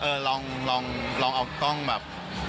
ลองเอากล้องแบบ